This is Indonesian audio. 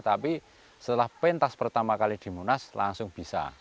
tapi setelah pentas pertama kali di munas langsung bisa